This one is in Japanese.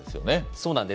そうなんです。